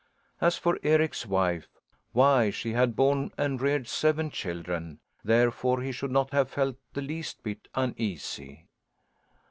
As for Eric's wife why she had borne and reared seven children; therefore he should not have felt the least bit uneasy.